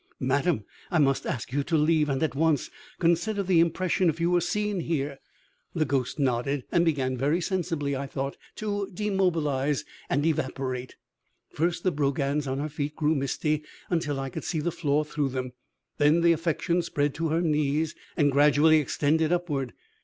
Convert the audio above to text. "Madam, I must ask you to leave, and at once. Consider the impression if you were seen here " The ghost nodded, and began, very sensibly, I thought, to demobilize and evaporate. First the brogans on her feet grew misty until I could see the floor through them, then the affection spread to her knees and gradually extended upward.